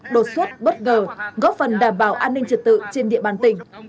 đột xuất bất ngờ góp phần đảm bảo an ninh trật tự trên địa bàn tỉnh